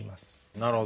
なるほど。